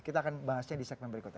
kita akan bahasnya di segmen berikutnya